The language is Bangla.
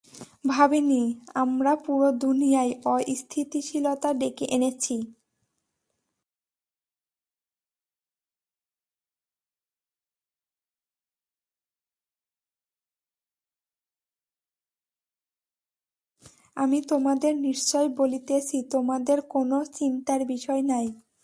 আমি তোমাদের নিশ্চয় বলিতেছি তোমাদের কোনো চিন্তার বিষয় নাই।